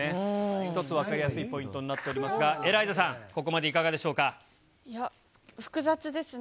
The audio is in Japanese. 一つ分かりやすいポイントになっておりますが、エライザさん、いや、複雑ですね。